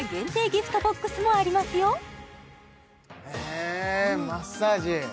ギフトボックスもありますよへえマッサージ